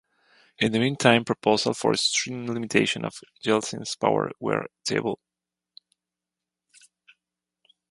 In the meantime, proposals for extreme limitation of Yeltsin's power were tabled.